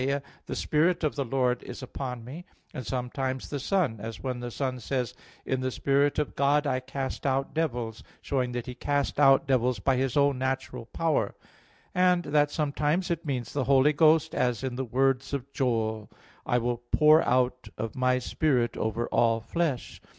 61:1: "The Spirit of the Lord is upon me;" and sometimes the Son, as when the Son says: "In the Spirit of God I cast out devils" (Matt. 12:28), showing that He cast out devils by His own natural power; and that sometimes it means the Holy Ghost, as in the words of Joel 2:28: "I will pour out of My Spirit over all flesh."